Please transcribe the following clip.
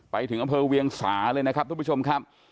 ไปถึงอำเภอเวียงสาเลยนะครับทุกผู้ชมครับ